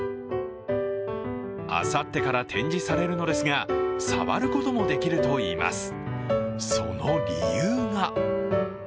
あさってから展示されるのですが、触ることもできるといいます。